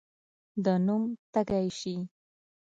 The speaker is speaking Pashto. د نوم تږی شي.